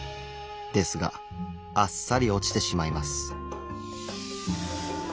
ですがあっさり落ちてしまいます。